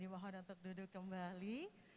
dimohon untuk duduk kembali